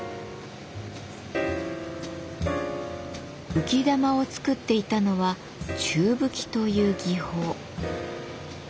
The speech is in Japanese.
浮き玉を作っていたのは宙吹きという技法。